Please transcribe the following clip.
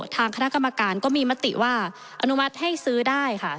ทางคณะกรรมการก็มีมติว่าอนุมัติให้ซื้อได้ค่ะ